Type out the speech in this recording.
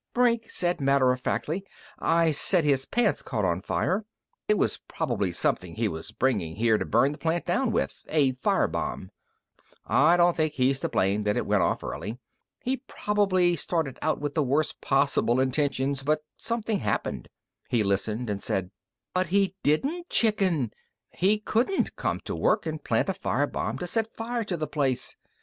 Brink said matter of factly: "I said his pants caught on fire. It was probably something he was bringing here to burn the plant down with a fire bomb. I don't think he's to blame that it went off early. He probably started out with the worst possible intentions, but something happened...." He listened and said: "But he didn't chicken! He couldn't come to work and plant a fire bomb to set fire to the place!...